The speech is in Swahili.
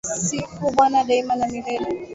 Sifu bwana daima na milele